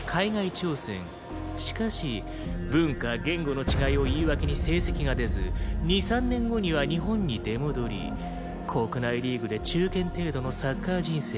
しかし文化言語の違いを言い訳に成績が出ず２３年後には日本に出戻り国内リーグで中堅程度のサッカー人生を送る。